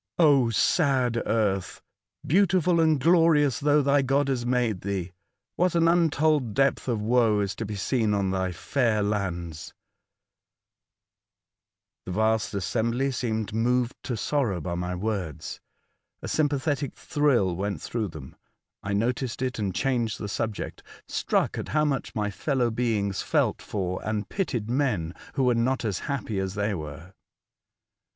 O sad earth ! beautiful and glorious though thy God has made thee ! what an untold depth of woe is to be seen on thy fair lands !" The vast assembly seemed moved to sorrow by my words ; a sympathetic thrill went through them. I noticed it and changed the subject, struck at how much my fellow beings felt for and pitied men who were not as happy as they were.